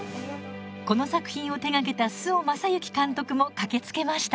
この作品を手がけた周防正行監督も駆けつけました。